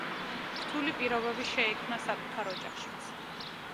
რთული პირობები შეექმნა საკუთარ ოჯახშიც.